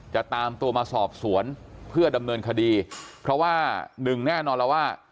จะตามตัวมาสอบสวนเพื่อดำเนินคดีเพราะว่าหนึ่งแน่นอนแล้วว่า